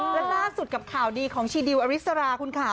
และล่าสุดกับข่าวดีของชีดิวอริสราคุณค่ะ